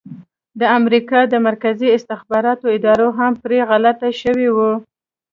د امریکا د مرکزي استخباراتو اداره هم پرې غلطه شوې وه.